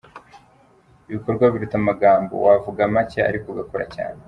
Ibikorwa biruta amagambo, wavuga make ariko ugakora cyane.